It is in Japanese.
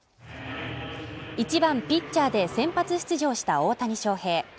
１番・ピッチャーで先発出場した大谷翔平